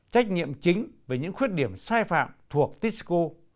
trách nhiệm chính về những khuyết điểm sai phạm thuộc tisco